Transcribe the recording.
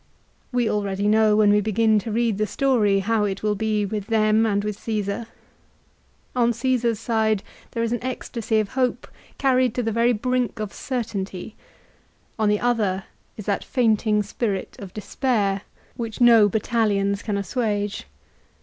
We already know, when we begin to read the story, how it will be with them and with Caesar. On Caesar's side there is an ecstasy of hope carried to the very brink of certainty ; on the other is that fainting spirit of despair 152 LIFE OF CICERO. which no battalions can assuage.